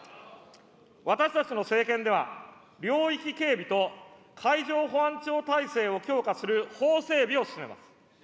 私たちの政権では、領域警備と海上保安庁体制を強化する法整備を進めます。